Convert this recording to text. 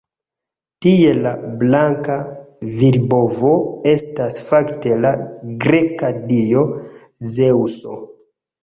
Tie la blanka virbovo estas fakte la greka dio Zeŭso.